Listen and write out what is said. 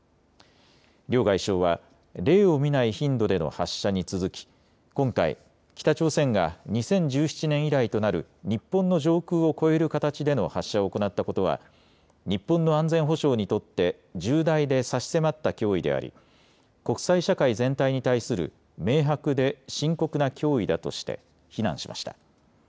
両外相は例を見ない頻度での発射に続き今回、北朝鮮が２０１７年以来となる日本の上空を越える形での発射を行ったことは日本の安全保障にとって重大で差し迫った脅威であり、国際社会全体に対する明白で深刻な脅威だとして非難しました。